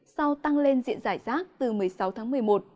sau tăng lên diện giải rác từ một mươi sáu tháng một mươi một